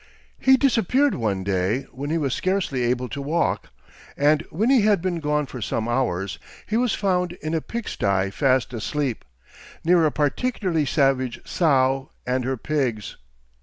He disappeared one day when he was scarcely able to walk, and when he had been gone for some hours he was found in a pig sty fast asleep, near a particularly savage sow and her pigs.